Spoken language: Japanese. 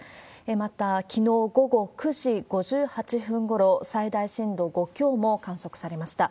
またきのう午後９時５８分ごろ、最大震度５強も観測されました。